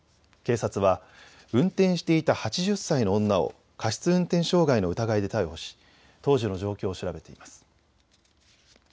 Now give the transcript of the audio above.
警察は運転していた８０歳の女を過失運転傷害の疑いで逮捕し当時の状況を調べています。